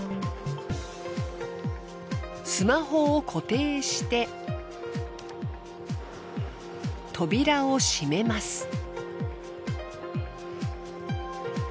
スマホを固定して扉を閉めます。